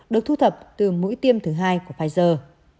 được thu thập từ mũi tiêm thứ hai của pfizer